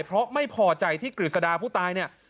เพราะไม่พอใจที่กฤษดาผู้ตายเนี่ย